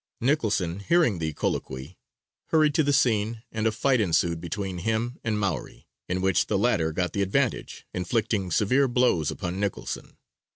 Nicholson, hearing the colloquy, hurried to the scene and a fight ensued between him and Maury, in which the latter got the advantage, inflicting severe blows upon Nicholson.